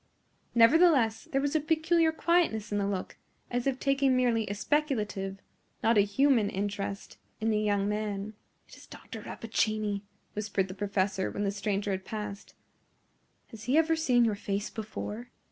Nevertheless, there was a peculiar quietness in the look, as if taking merely a speculative, not a human interest, in the young man. "It is Dr. Rappaccini!" whispered the professor when the stranger had passed. "Has he ever seen your face before?"